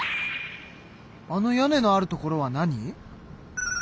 あの屋根のあるところは何？